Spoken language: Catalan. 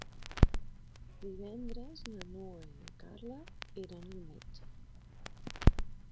Divendres na Noa i na Carla iran al metge.